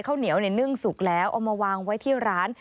ข้าวเหนียวนึ่งสุกแล้วเอามาวางไว้ที่ร้าน